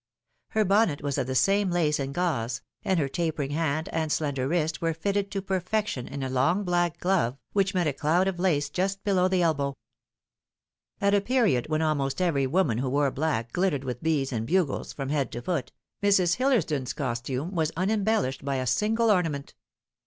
Her bonnet was of the same laco and gauze, and her taperiug hand and slender wrist were fitted to perfection in a long black glove which met a cloud of laoa just below the elbow Shall She be Leaa than Another f 113 At a period when almost every woman who wore black glittered witk beads and bugles from head to foot, Mrs. Hillers don's costume was unembellished by a single ornament.